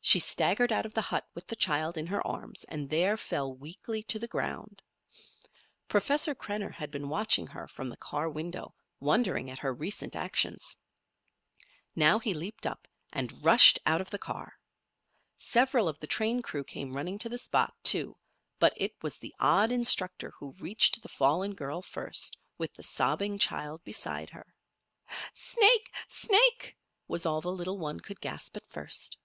She staggered out of the hut with the child in her arms, and there fell weakly to the ground. Professor Krenner had been watching her from the car window, wondering at her recent actions. Now he leaped up and rushed out of the car. Several of the train crew came running to the spot, too, but it was the odd instructor who reached the fallen girl first, with the sobbing child beside her. "Snake! snake!" was all the little one could gasp at first.